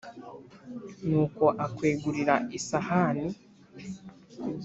Nuko akwegurira isahani,